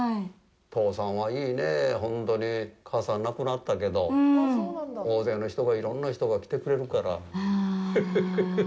父さんはいいねえ、本当に母さん亡くなったけど大勢の人が、いろんな人が来てくれるから。